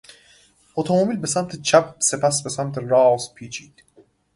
اتومبیل به سمت چپ و سپس به سمت راست پیچید.